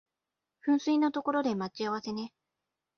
噴水の所で待ち合わせね